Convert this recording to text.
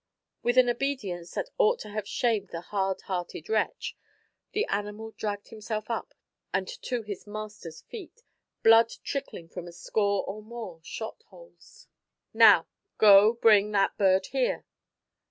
With an obedience that ought to have shamed the hard hearted wretch, the animal dragged himself up and to his master's feet, blood trickling from a score or more shot holes. "Now, go bring that bird here."